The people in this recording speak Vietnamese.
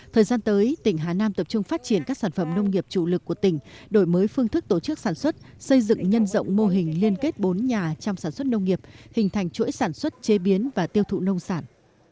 thời gian tới tỉnh hà nam tập trung phát triển các sản phẩm nông nghiệp chủ lực của tỉnh đổi mới phương thức tổ chức sản xuất xây dựng nhân rộng mô hình liên kết bốn nhà trong sản xuất nông nghiệp hình thành chuỗi sản xuất chế biến và tiêu thụ nông sản